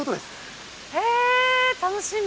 えー、楽しみ。